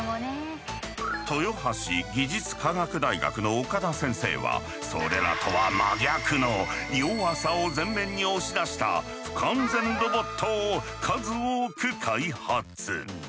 豊橋技術科学大学の岡田先生はそれらとは真逆の「弱さ」を全面に押し出した不完全ロボットを数多く開発。